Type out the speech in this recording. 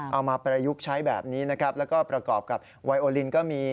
มาประยุกต์ใช้แบบนี้นะครับแล้วก็ประกอบกับไวโอลินก็มี